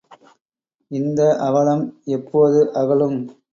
இந்த அவலம் எப்போது அகலும்?